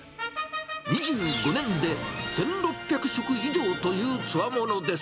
２５年で１６００食以上というつわものです。